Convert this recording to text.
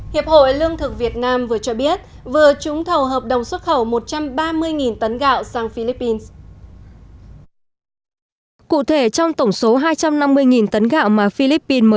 hiệp hội lương thực việt nam vừa cho biết vừa trúng thầu hợp đồng xuất khẩu một trăm ba mươi tấn gạo sang philippines